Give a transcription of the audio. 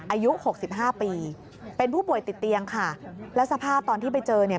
อายุหกสิบห้าปีเป็นผู้ป่วยติดเตียงค่ะแล้วสภาพตอนที่ไปเจอเนี่ย